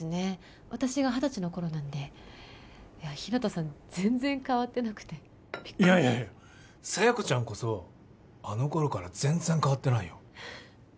私が二十歳の頃なんで日向さん全然変わってなくていやいや佐弥子ちゃんこそあの頃から全然変わってないよ